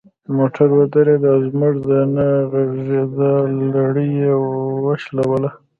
موټر ودرید او زموږ د نه غږیدا لړۍ یې وشلوله.